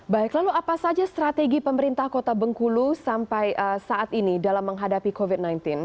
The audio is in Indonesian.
baik lalu apa saja strategi pemerintah kota bengkulu sampai saat ini dalam menghadapi covid sembilan belas